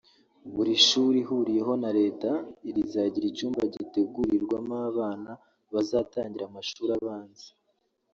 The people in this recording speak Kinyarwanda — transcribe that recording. buri shuri ihuriyeho na Leta rizagira icyumba gitegurirwamo abana bazatangira amashuri abanza